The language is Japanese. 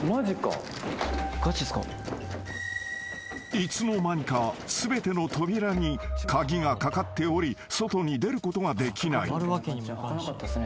［いつの間にか全ての扉に鍵が掛かっており外に出ることができない］